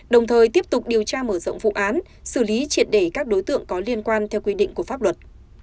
đồng thời tiếp tục điều tra mở rộng vụ án xử lý triệt để các đối tượng có liên quan theo quy định của pháp luật